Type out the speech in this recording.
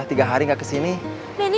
gak ada yang kabur